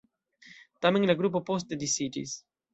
Tamen la grupo poste disiĝis.